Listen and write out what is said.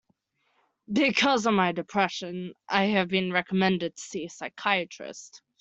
Because of my depression, I have been recommended to see a psychiatrist.